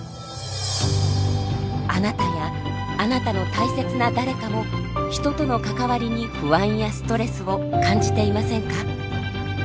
あなたやあなたの大切な誰かも人との関わりに不安やストレスを感じていませんか？